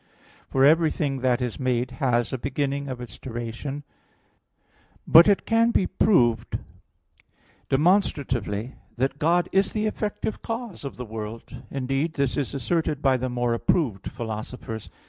For everything that is made has a beginning of its duration. But it can be proved demonstratively that God is the effective cause of the world; indeed this is asserted by the more approved philosophers.